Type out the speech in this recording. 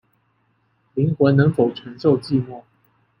灵魂能否承受寂寞